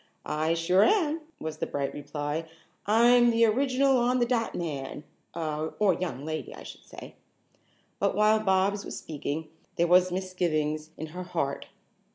"I sure am," was the bright reply. "I'm the original on the dot man, or young lady, I should say." But while Bobs was speaking there was misgivings in her heart.